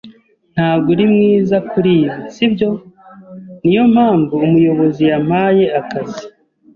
"Ntabwo uri mwiza kuri ibi, si byo?" "Niyo mpamvu umuyobozi yampaye akazi."